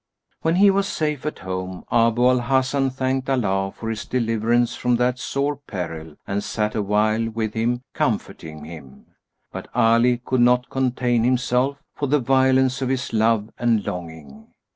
When he was safe at home, Abu al Hasan thanked Allah for his deliverance from that sore peril and sat awhile with him, comforting him; but Ali could not contain himself, for the violence of his love and longing.